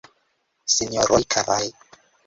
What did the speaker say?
Sinjoroj, karaj!